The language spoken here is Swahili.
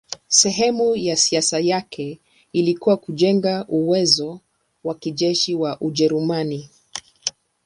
Sehemu ya siasa yake ilikuwa kujenga uwezo wa kijeshi wa Ujerumani.